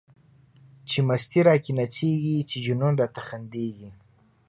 چی مستی را کی نڅيږی، چی جنون را ته خنديږی